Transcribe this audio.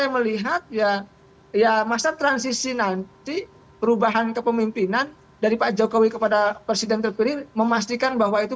berarti perubahan kepemimpinan dari pak jokowi kepada presiden terpilih memastikan bahwa itu